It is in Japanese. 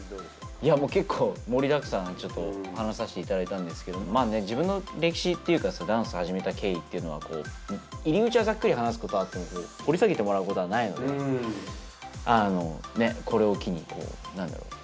いやもう結構盛りだくさんちょっと話させていただいたんですけどまぁね自分の歴史っていうかダンス始めた経緯っていうのは入り口はざっくり話すことはあっても掘り下げてもらうことはないのでねっこれを機になんだろう。